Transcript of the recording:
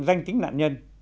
danh tính nạn nhân